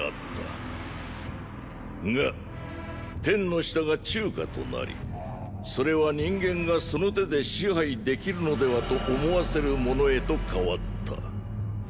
ーーが天の下が中華となりそれは人間がその手で支配できるのではと思わせるものへと変わった。